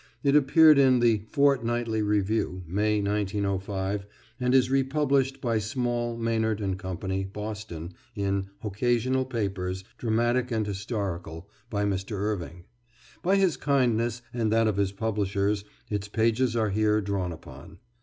It appeared in the Fortnightly Review, May, 1905, and is republished by Small, Maynard & Co., Boston, in "Occasional Papers. Dramatic and Historical" by Mr. Irving. By his kindness, and that of his publishers, its pages are here drawn upon.